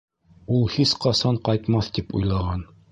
Ул һис ҡасан ҡайтмаҫ тип уйлаған.